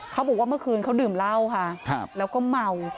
เขาบอกว่าเมื่อคืนเขาดื่มเหล้าค่ะแล้วก็เมา